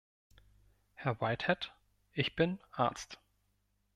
Herr Whitehead, ich bin Arzt.